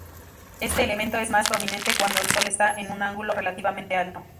Este elemento es más prominente cuando el Sol está en un ángulo relativamente alto.